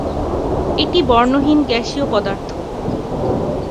এটি বর্ণহীন গ্যাসীয় পদার্থ।